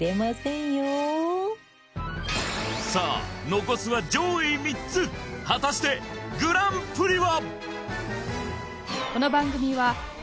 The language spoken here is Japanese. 残すは上位３つ果たしてグランプリは？